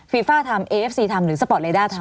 ฟ่าทำเอเอฟซีทำหรือสปอร์ตเลด้าทำ